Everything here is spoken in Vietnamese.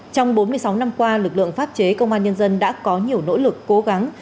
trong bốn mươi sáu năm qua lực lượng pháp chế công an nhân dân đã có nhiều nỗ lực cố gắng